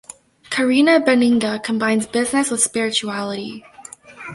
Carina Benninga combines business with spirituality.